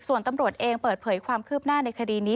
ส่วนตำรวจเองเปิดเผยความคืบหน้าในคดีนี้